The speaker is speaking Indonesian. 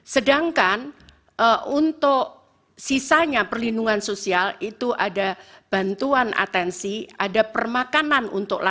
sedangkan untuk sisanya perlindungan sosial itu ada bantuan atensi ada permakanan untuk laki laki